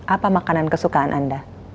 apa makanan kesukaan anda